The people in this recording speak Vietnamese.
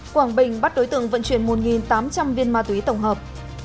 quảng bình bắt đối tượng vận chuyển một tám trăm linh viên ma túy tổng hợp